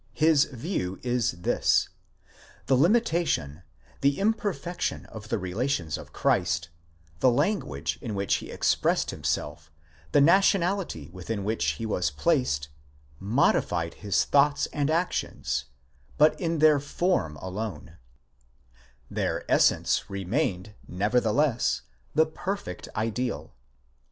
His view is this: the limitation, the imperfection of the relations of Christ, the language in which he expressed himself, the nationality within which he was placed, modified his thoughts and actions, but in their form alone; their essence remained nevertheless the perfect ideal.